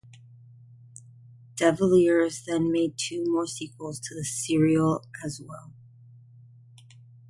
De Villiers then made two more sequels to the serial as well.